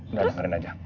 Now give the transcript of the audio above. udah dengerin aja